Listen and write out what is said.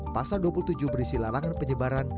pasal dua puluh tujuh berisi larangan penyebaran